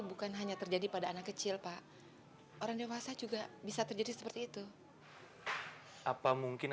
bukan hanya terjadi pada anak kecil pak orang dewasa juga bisa terjadi seperti itu apa mungkin